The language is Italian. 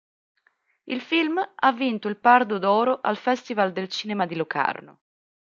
Il film ha vinto il Pardo d'oro al festival del cinema di Locarno.